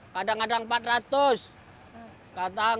kadang kadang empat ratus kadang seratus